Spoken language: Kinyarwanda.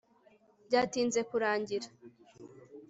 byatinze kurangira